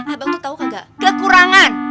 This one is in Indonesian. abang tuh tau gak kekurangan